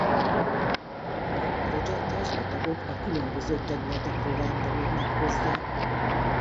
A projekthez a tagok a különböző területekről rendelődnek hozzá.